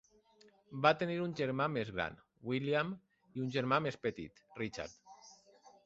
Va tenir un germà més gran, William, i un germà més petit, Richard.